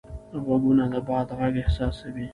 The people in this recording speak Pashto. غوږونه د باد غږ احساسوي